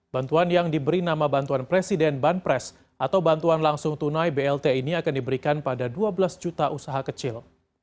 bantuan yang diberi nama bantuan presiden banpres atau bantuan langsung tunai blt ini akan diberikan pada dua belas juta usaha kecil